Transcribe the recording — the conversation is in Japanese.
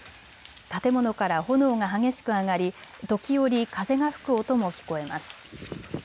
建物から炎が激しく上がり時折、風が吹く音も聞こえます。